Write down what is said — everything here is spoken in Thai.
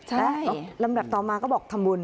ใช่ลำดับต่อมาก็บอกทำบุญ